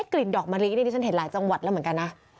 กลิ่นดอกมะลินี่ดิฉันเห็นหลายจังหวัดแล้วเหมือนกันนะ